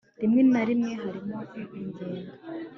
rimwe na rimwe hariho ingendo